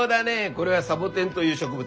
これはサボテンという植物だ。